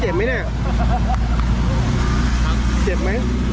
เจ็บไหม